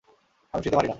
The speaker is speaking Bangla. আমি ফ্রীতে মারি না।